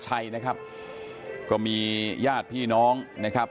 ไปที่วัดโพชัยนะครับก็มีญาติพี่น้องนะครับ